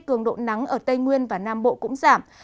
cường độ nắng ở tây nguyên và nam bộ cũng giảm